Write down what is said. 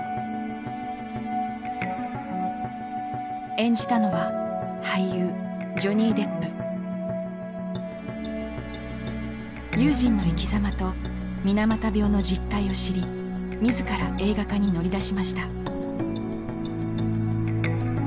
演じたのは俳優ユージンの生きざまと水俣病の実態を知り自ら映画化に乗り出しました。